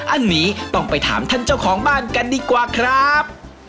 อันนี้ต้องไปถามท่านเจ้าของบ้านกันดีกว่าครับ